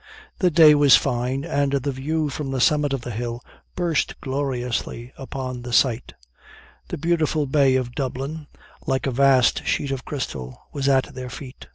The day was fine, and the view from the summit of the hill burst gloriously upon the sight. The beautiful bay of Dublin, like a vast sheet of crystal, was at their feet.